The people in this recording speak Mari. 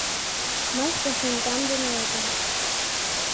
Мый шке шинчам дене ужым.